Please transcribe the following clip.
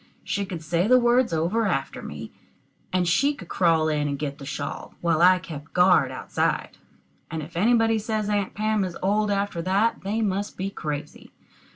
She could say the words over after me, and she could crawl in and get the shawl, while I kept guard outside: and if anybody says Aunt Pam is old after that, they must be crazy.